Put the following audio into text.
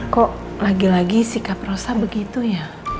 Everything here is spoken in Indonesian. kok lagi lagi sikap rosa begitu ya